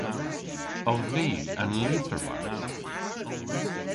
Ov vy an lytherwas?